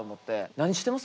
何してます？